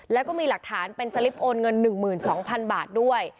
แล้วก็มีหลักฐานเป็นสลิปโอนเงิน๑๒๐๐๐บาทด้วย